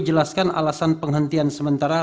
jelaskan alasan penghentian sementara